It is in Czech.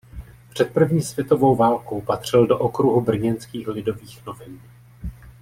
Před první světovou válkou patřil do okruhu brněnských "Lidových novin".